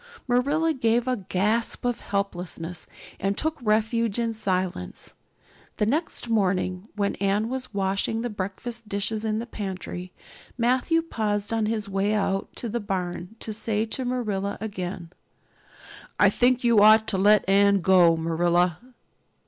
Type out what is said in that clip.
Marilla gave a gasp of helplessness and took refuge in silence. The next morning, when Anne was washing the breakfast dishes in the pantry, Matthew paused on his way out to the barn to say to Marilla again: "I think you ought to let Anne go, Marilla."